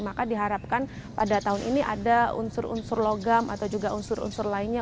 maka diharapkan pada tahun ini ada unsur unsur logam atau juga unsur unsur lainnya